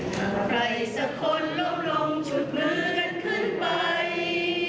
ถ้าใครสักคนล้มลงฉุดมือกันขึ้นไป